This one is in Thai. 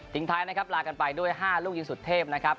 ท้ายนะครับลากันไปด้วย๕ลูกยิงสุดเทพนะครับ